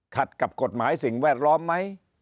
กับกฎหมายสิ่งแวดล้อมไหม